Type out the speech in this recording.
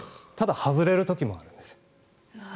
ただ、外れる時もあるんです。